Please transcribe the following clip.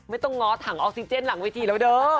ไม่ต้องง้อถังออกซิเจนหลังวิธีแล้วเด้อ